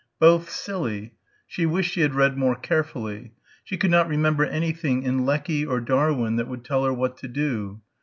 Both, silly.... She wished she had read more carefully. She could not remember anything in Lecky or Darwin that would tell her what to do